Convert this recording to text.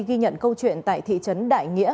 ghi nhận câu chuyện tại thị trấn đại nghĩa